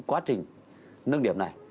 quá trình nâng điểm này